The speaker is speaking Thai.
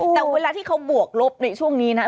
แต่เวลาที่เขาบวกลบในช่วงนี้นะ